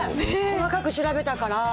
細かく調べたから。